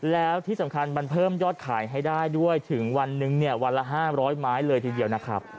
แล้วที่สำคัญมันเพิ่มยอดขายให้ได้ด้วยถึงวันนึงเนี่ยวันละ๕๐๐ไม้เลยทีเดียวนะครับ